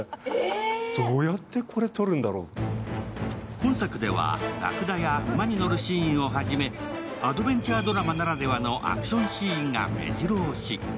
今作ではラクダや馬に乗るシーンをはじめアドベンチャードラマならではのアクションシーンがめじろ押し。